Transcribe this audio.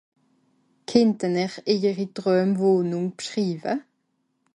Kennte-n-r èieri Troemwohnung bschriiwe ?